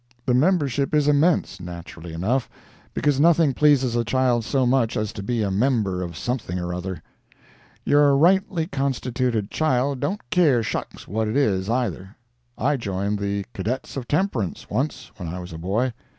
The membership is immense, naturally enough, because nothing pleases a child so much as to be a member of something or other. Your rightly constituted child don't care shucks what it is, either. I joined the Cadets of Temperance, once, when I was a boy.